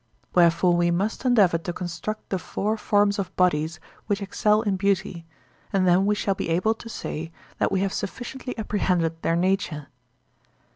Wherefore we must endeavour to construct the four forms of bodies which excel in beauty, and then we shall be able to say that we have sufficiently apprehended their nature.